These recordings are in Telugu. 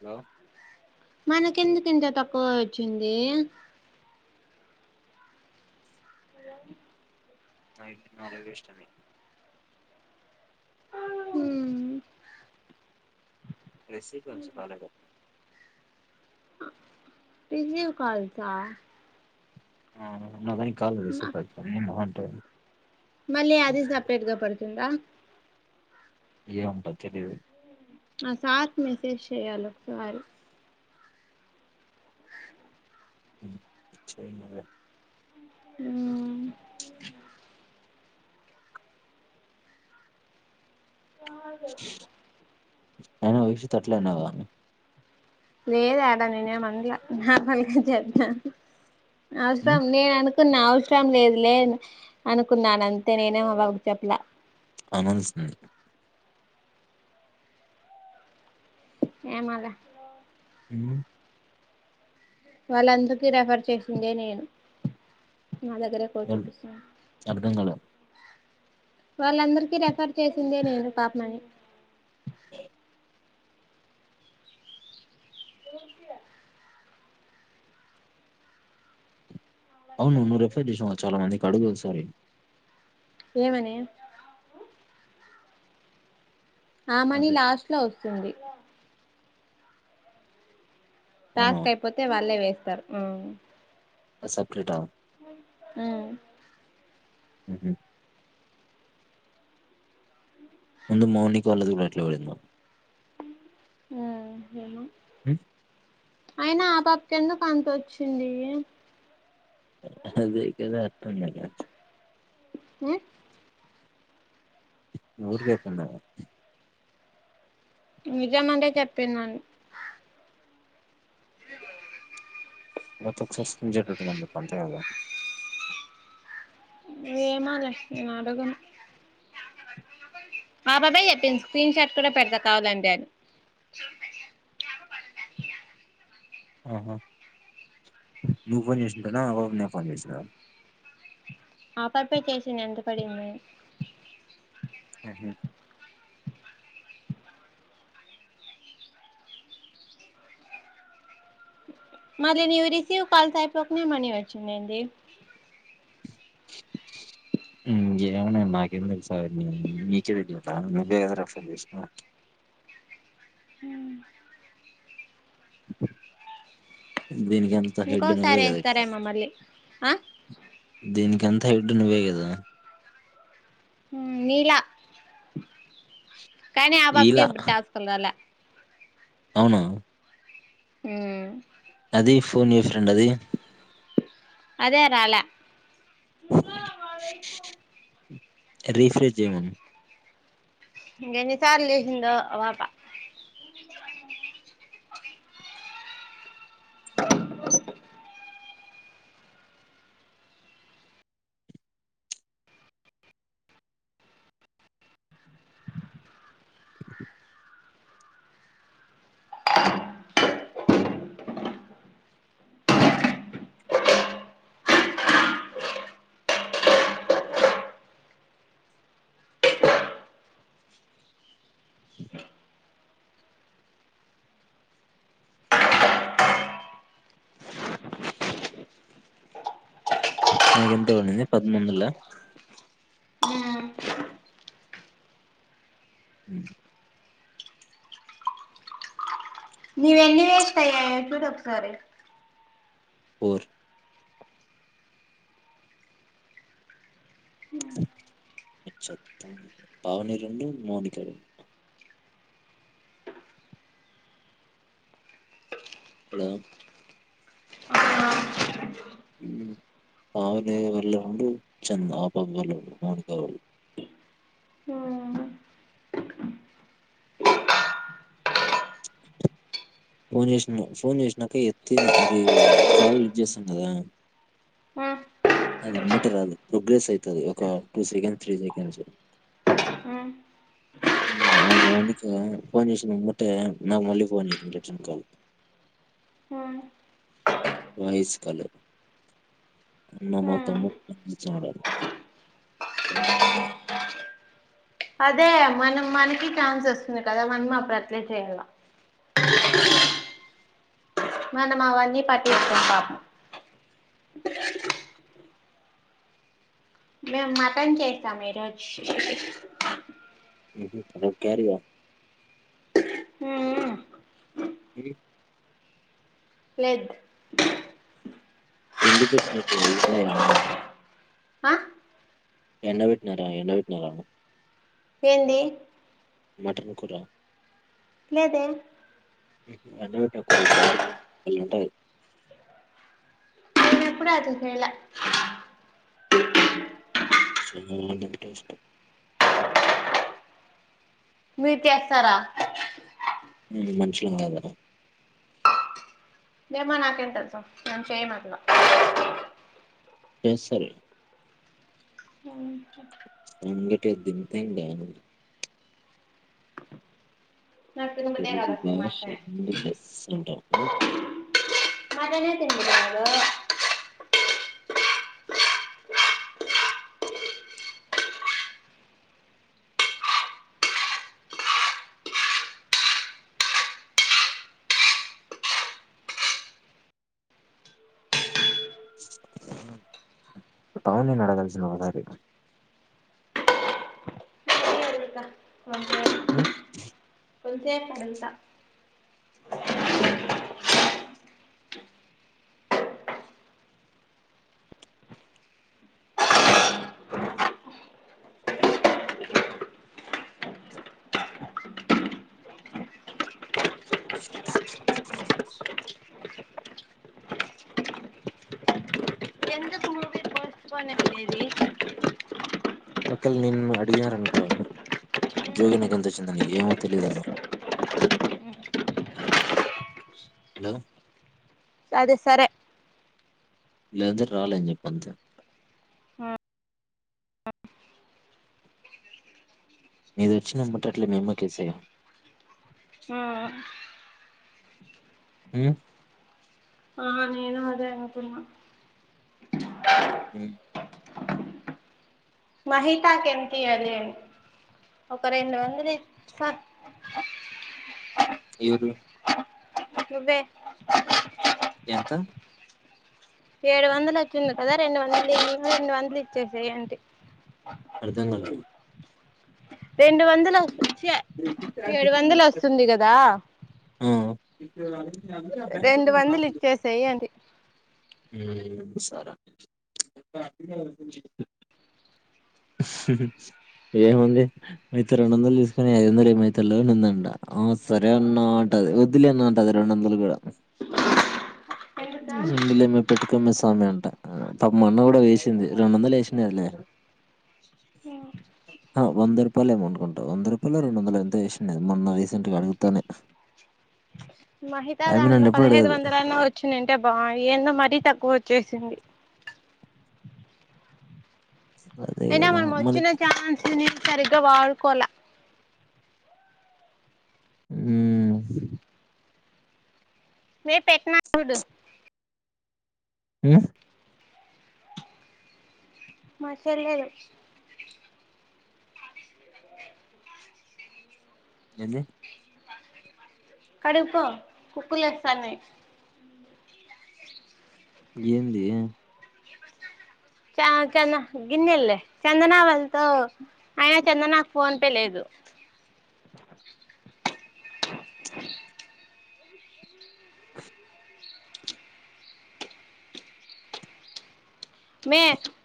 హలో మనకెందుకు ఇంత తక్కువ వచ్చింది నయిట్ నాలుగు వేస్ట్ అయినాయి [inaudible] రిసీవ్ కాల్స్ ఆ ఆ నానికి కాలదు స నిమ్ ఉంట [unintelligible] మళ్ళీ అది సపరేట్ గా పడుతుందా ఏ ఉంటా తెలిదు ఆ సార్ కి మెసేజ్ చేయ్యలి ఒక సారి స మ అ అయిన వైషు తో అట్లీ ఉన్నవ [inaudible] లేదాడా నేనే ఏం అన్నలే నార్మల్గా చెప్పా అసాం నేను అను అకున్నా అవసరం లేదు లే అనుకున్నాను అంతే నేనే ఆ పాప కి చెప్పలా అనుమానిస్తోంది ఏమాలే ఉమ్మ్ వాళ్ళందకీ రెఫర్ చేసిందే నేను మా దగర కోచుపిస్తున్న అర్థం కాలే వాళ్ళందరికీ రెఫర్ చేసిందే నేను పాపమని [inaudible] తూర్సయా అవును నువ్వు రెఫర్ చేసినావా చాలా మందికి అడుగు ఒక సారి ఏమని ఆ మనీ అదే లాస్ట్ లో వస్తుంది అవునా టాస్క్ అయిపోతే వాళ్ళే వేస్తారు సెపరేట హ్మ్ ఉహామ్ ముందు మౌనికా వాళ్ళది కూడా అట్లా పడింది హ్మ్ ఏమో హమ్ అయినా ఆపాప కి ఎందుకు అంత వచ్చింది అదే కదా అర్ధం కావట్లే హ ఊరుకేకన్నా నిజమంటే చెప్పిందను ఇ గత సష్టంజ అంతే కదా ఎమోలే నేను అడగను ఆ పాపే చెప్పింది స్క్రీన్ షాట్ కూడా పెడతా కావాలంటే అని ఆహా నువ్వు ఫోన్ చేస్తుంటానా అ పాపే ఫోన్ చేసన్నా ఆ పాపే చేసింది ఎంత పడింది అని [unintelligible] మళ్ళీ నీవు రిసీవ్ కాల్స్ అయిపోకనే మనీ వచ్చిందండి [inaudible] హామ్ ఏమోనే నాకేం తెలుసా అవి అని నీకే తెలియా నువే కదరా రెఫెర్ చేసినవి [inaudible] దీనికి ఇంకో సారి వేస్తారేమో మ్మళ్ళీ ఆ దీనికి అంతా హెడ్ నువ్వ కదా హామ్ నీలా కానీ ఆ పాపకే ఇప్పుడు టాస్క్ రాలె అవునా హామ్ అది ఫోన్ ఏ ఫ్రెండ్ అది అదే రాల రిఫ్రెష్ జేమను ఎన్ని సార్లు చేసిందో ఆ పాప [inaudible] నాకెంతవడింది పదముడువందల పాప హు నవేన్నివేస్తాయ చూడు ఒక సరే ఫోర్ పావని రెండు మౌనిక రెండు హలో ఊ పావని వాళ్ళు రొండు చన్ నా పబలు మౌనిక వాళ్ళు ఫోన్ చేసిన ఫోన్ చేసినాక ఎతి అది కాల్ లిఫ్ట్ చేస్తాం కదా అ అద అమ్మటే కాదు ప్రోగ్రెస్ ఐతది ఒక టూ సెకండ్ త్రీ సెకండ్స్ లో ఆ ఉ ఆ మౌనిక ఫన్ చేసింన ఏమటై నాకు మళ్ళీ ఫన్ చేసంది రిటర్న్ కాల్ వయిస్ కాల్ నిన్న మా తమ్ముడు హిందీ ఛానల్ [unintelligible] అదే మనం మనకి ఛాన్స్ వస్తుంది కదా మనం అప్పుడు అట్లే చేయాల మన మావన్నీ పటిచూకొం పాపం మేం మటన్ చేసాం ఈ రోజు [unintelligible] క్యారీగా ఊ ఊ ఇది లేద్ ఎందు పెట్టినట్ అయున్నయా అ ఎండ బెట్నారా ఎండ బెట్నారా ఏందీ డువ్వకుర మీకు అండి పెట్టిన కూరలు బార్లు అల్ల ఉంటాయి నేను ఎప్పుడు అట్లా చెయ్యాల సోమవారం అంటే ఇష్టం మీర్ చేస్తారా మేం మనుషులం కదా ఏమో నాకేం తెలుసు మేం చెయ్యం అట్లా కేసరీ [unintelligible] నికే సంగట దింపిథింగ్ డౌనుడు నాకు తినబుద్దె కాదు తెలుగు అసలు భాష మక్కాయే ముందు లెస్స అంటాం. హ్మ్. మటనే తిన్ బుద్ది కాదు అ [inaudible] ఊ టవును నిన్ను అడగాల్సిన ఒక టాపిక నేనే అడుగుతా ఉ కొలుసే కడుగుతా ఊ ఎందుకు మూవీ పోస్ట్ పోన్ అయ్యేది ఒకేల నిన్ను అడిగారు ‌అనుకో జోతి నీకెంత వచ్చిందని ఏమో తెలీదను హలో అదే సరే లేదంటే రాలే అని చెప్పు అంతే మీదచ్చిన ఏమ్మట్లే అట్ల మీ అమ్మకు ఏసేయ్ ఉ ఆ నేను అదే అనుకున్నా ఉ ఒక రెండు వందలియి ఏ ఊర్లో నువ్వే ఎంత ఏడు వందలొచ్చింది కదా రెండు వందలు ఇయ్యి రెండు వందలిచ్చేసేయ్ అంటి అర్థం గాలే రెండు వందలా చ ఏడు వందలొస్తుంది గదా ఎప్పుడెళ్లాలి రెండు వందలిచ్చేసేయ్ అంటి హ్మ్ మీ సారా ఏముంది అయితే రెండొందలు తీసుకొని ఐదొందలు [unintelligible] అందంట ఆ సరే అన్నా అంట వద్దులే అందట అది రెండోందలు గూడ అ ఉండిలేమ్మ పెట్టుకమ్మే స్వామి అంట పాపం మొన్న గూడ వేసింది రెండు వందలు వేసినాదిలే ఆ ఆ వంద రూపాయలు ఏమో అనుకుంటా వంద రూపాలో రెండోమ్దలో ఎంతో ఏసింది మొన్న రీసెంట్గా అడుగుతానే మహితా ఆమె దాంట్లో నన్ను ఎప్పుడు పదిహైదు అడగదు వందలన్న వచ్చిండుంటే బా ఏం మరీ తక్కువోచ్చేసింది అదే నినా కదా మన మనమొచ్చిన ఛాన్స్ నేన్ సరిగ్గా వాడుకోల ఉమ్ రేప్ పెట్టన ఫుడ్ ఆ మా చెల్లెలు ఏంది కడుక్కో కుక్కలేస్తానయ్ ఏందీ చ చంద గిన్నెళ్ళే చందనా వల్తో ఆయిన చందనాకు ఫోన్ పే లేదు మే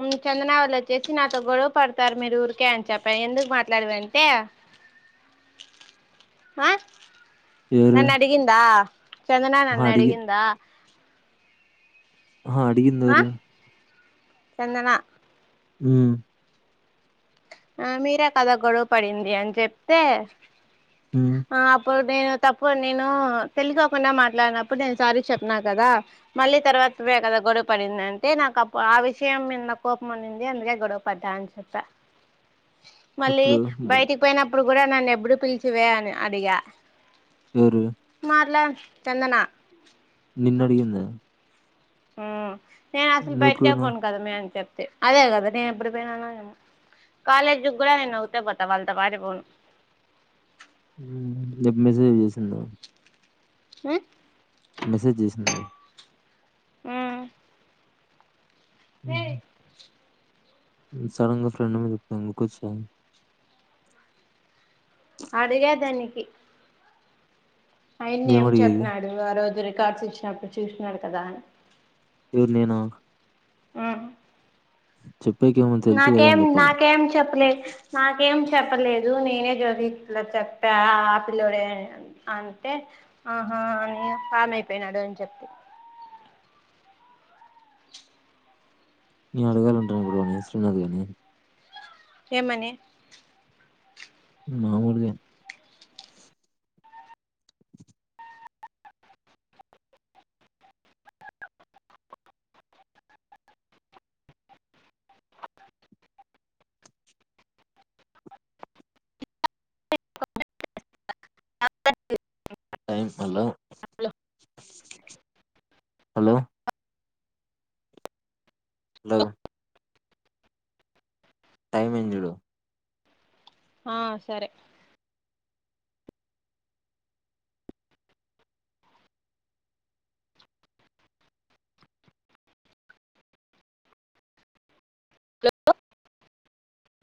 ఉమ్ చందన వాల్లోచ్చేసి నాతో గొడవ పడతారు మీరు ఊరికే అని చెప్పా ఎందుకు మాట్లాడమే టే ఆ ఎవరు నన్నడిగిందా, చందనా ఆహా అడిగి నన్నడిగిందా? అహా అడిగిందెవరు చందనా ఉమ్ ఆ మీరే కదా గొడవ పడింది అని చెప్తే ఉమ్ ఆ అప్పుడు నేను తప్పు నేను తెలిసోకుండా మాట్లాడినప్పుడు నేను సారీ చెప్నా గదా మళ్ళీ తర్వాత వే కదా గొడవ పడిందంటె నాకప్ ఆ విషయం మీద్నా కోపం అన్నింది అందుకే గొడవ పడ్డా అని చెప్ప మళ్ళీ ఎప్పుడు ము- బయటికి పోయినప్పుడు గూడ నన్నేప్పుడు పిలిచివే అని అడిగా ఎవరూ చందనా నిన్నడిగింద ఉమ్ నేనసలు బయటికే పోయినవ్ పోను కదా మే అని చెప్ తె అదే గదా నేనెప్పుడు పోయినాన్నది కాాలేజ్జుగ్గుడా నేను ఒక్తే పోత వాళ్ళతొ పాటె పోను ఉమ్ నిక్ మెసేజ్ జేసిందా ఉమ్ మెసేజ్ జేసిందా ఉమ్ నేనే ఉమ్. సడన్ గా ఫ్రెడ్ మీద పొగ్గు కొచ్చింది అడిగే దానికి ఆయిన్ని ఏం చెప్పినాడు ఆ రోజు రికార్డ్స్ ఇచ్చినప్పుడు చూసినాడు కదా ఎవరు నేనా ఆ చెప్పేకేమో తెలుసు కదా నాకేం అని చెప్పాల నాకేం చెప్పలే నాకేం చెప్పలేదు నేనే జ్యోగిలా చెప్పా ఆ పిల్లోడే అంటే ఆ ఆని కామ్ అయినాడు అని చెప్తే నే అడగాలంటను ఇప్పుడువాని శ్రీనాథ్ కాగాని ఏమని మాములుగె ఏంటి మల్లా హలో హలో హలో లగు టై మైనంది జుడు ఆ సరే